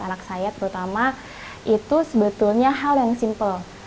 anak saya terutama itu sebetulnya hal yang simple